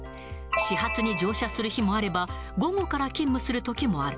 始発に乗車する日もあれば、午後から勤務するときもある。